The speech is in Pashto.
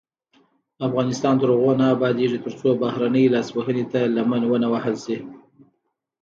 افغانستان تر هغو نه ابادیږي، ترڅو بهرنۍ لاسوهنې ته لمن ونه وهل شي.